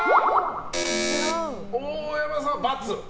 大山さん、×。